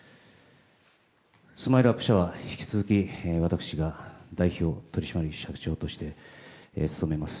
ＳＭＩＬＥ‐ＵＰ．社は引き続き私が代表取締役社長として務めます。